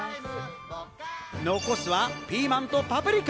残すはピーマンとパプリカ。